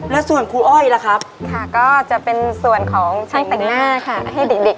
แล้วส่วนครูอ้อยล่ะครับค่ะก็จะเป็นส่วนของช่างแต่งหน้าค่ะให้เด็ก